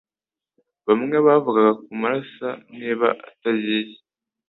Bamwe bavugaga kumurasa niba atagiye.